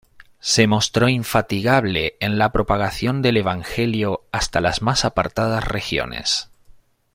Se mostró infatigable en la propagación del Evangelio hasta las más apartadas regiones.